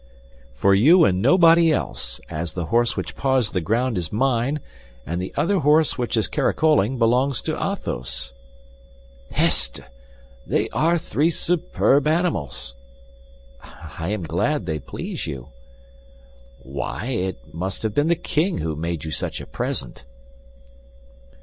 "For you and nobody else, as the horse which paws the ground is mine, and the other horse, which is caracoling, belongs to Athos." "Peste! They are three superb animals!" "I am glad they please you." "Why, it must have been the king who made you such a present."